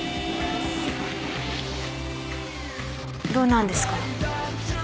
どうなんですか？